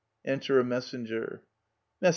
Enter a Messenger. Mess.